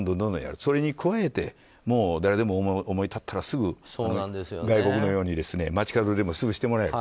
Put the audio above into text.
それに加えて誰でも思い立ったらすぐ外国のように街角でもすぐしてもらえる。